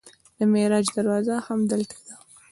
د معراج دروازه همدلته ده.